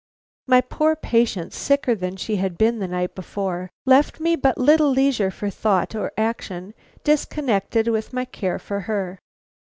My poor patient, sicker than she had been the night before, left me but little leisure for thought or action disconnected with my care for her.